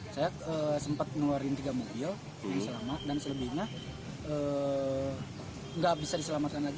saya sempat ngeluarin tiga mobil yang selamat dan selebihnya nggak bisa diselamatkan lagi